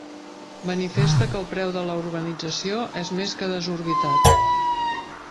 Manifesta que el preu de la urbanització és més que desorbitat.